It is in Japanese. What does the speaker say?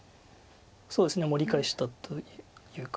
そうですね盛り返したというか。